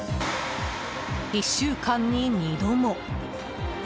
１週間に２度も。